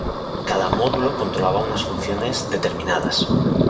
Cada módulo controlaba unas funciones determinadas.